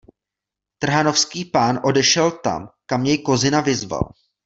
Trhanovský pán odešel tam, kam jej Kozina vyzval.